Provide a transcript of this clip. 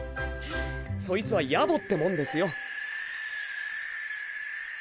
そいつは野暮ってもんですよ。